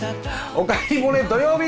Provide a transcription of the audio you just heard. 「おかえりモネ」土曜日！